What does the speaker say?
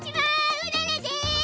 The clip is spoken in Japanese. うららです！